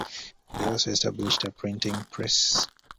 They also established a printing press.